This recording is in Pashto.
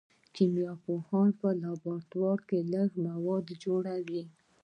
کیمیا پوهان په لابراتوار کې لږ مواد جوړوي.